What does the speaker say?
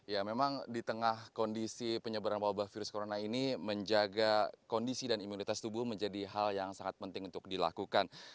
ya memang di tengah kondisi penyebaran wabah virus corona ini menjaga kondisi dan imunitas tubuh menjadi hal yang sangat penting untuk dilakukan